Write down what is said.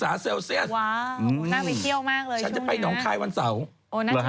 ว้าวน่าเฮียวว์มากเลยช่วงนี้ฉันจะไปหนองทายวันเสาร์